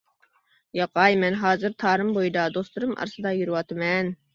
-ياقەي، مەن ھازىر تارىم بويىدا، دوستلىرىم ئارىسىدا يۈرۈۋاتىمەن.